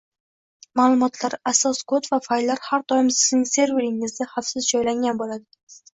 Ma’lumotlar, asos kod va fayllar har doim sizning serveringizda xavfsiz joylangan bo’ladi